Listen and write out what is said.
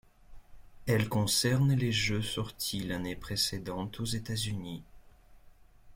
Elles concernent les jeux sortis l'année précédente aux États-Unis.